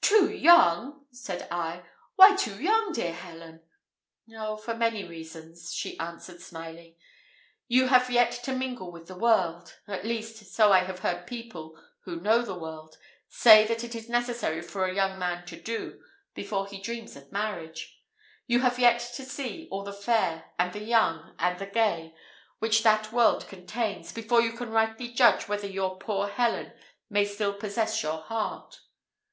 "Too young!" said I; "why too young, dear Helen?" "Oh, for many reasons," she answered, smiling. "You have yet to mingle with the world; at least, so I have heard people, who know the world, say that it is necessary for a young man to do before he dreams of marriage. You have to see all the fair, and the young, and the gay, which that world contains, before you can rightly judge whether your poor Helen may still possess your heart."